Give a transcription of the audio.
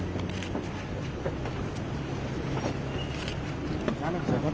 ทำงานเดี่ยวไม่ได้อีกครับ